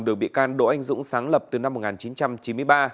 được bị can đỗ anh dũng sáng lập từ năm một nghìn chín trăm chín mươi ba